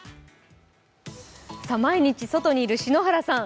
毎日外にいる篠原さん